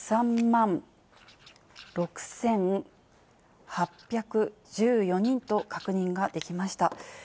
３万６８１４人と確認ができました。